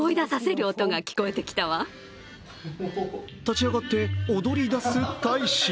立ち上がって踊り出す大使。